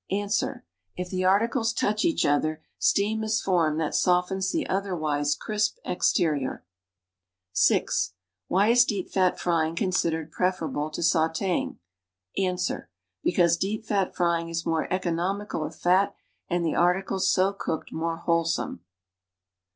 Ans. If the articles touch each other, steam is formed that softens the otherwise crisp exterior. (6) Why is deep fat frying considered preferable to sauteing? Ans. Because deep fat frying is more economical of fat and the articles so cooked more wliolesome.